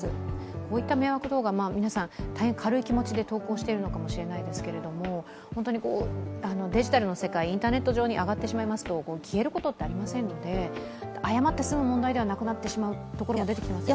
こういった迷惑動画、皆さん大変軽い気持ちで投稿してるかもしれないですけどデジタルの世界、インターネット上に上がってしまいますと、消えることってありませんので、謝って済む問題ではなくなりますね。